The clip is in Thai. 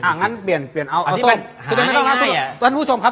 ทุเรียนไม่ต้องแล้วนะฮะ